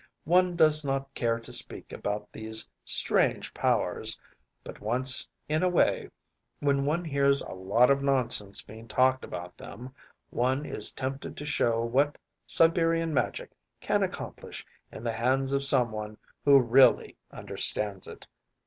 One does not care to speak about these strange powers, but once in a way, when one hears a lot of nonsense being talked about them, one is tempted to show what Siberian magic can accomplish in the hands of someone who really understands it.